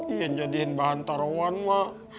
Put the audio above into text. ingin jadiin bahan taruhan mak